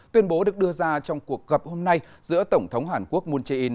tuyên bố được đưa ra trong cuộc gặp hôm nay giữa tổng thống hàn quốc moon jae in